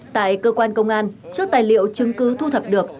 tại cơ quan công an trước tài liệu chứng cứ thu thập được